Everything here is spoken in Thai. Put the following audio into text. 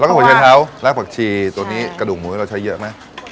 แล้วก็หัวใจเท้ารากผักชีตัวนี้กระดูกหมูเราใช้เยอะไหม